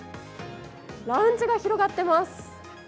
ラウンジが広がっています。